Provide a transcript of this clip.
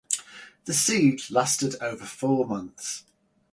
The siege lasted over four months.